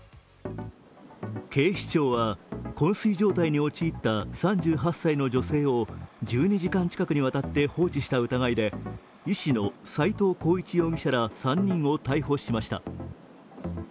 警視庁は、昏睡状態に陥った３８歳の女性を１２時間近くにわたって放置した疑いで医師の斉藤浩一容疑者ら３人を逮捕しました。